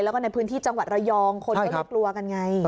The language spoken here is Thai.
แล้วก็ในพื้นที่จังหวัดระยองคนก็เลยกลัวกันไง